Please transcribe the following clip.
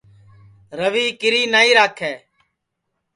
روی کیری نائی راکھے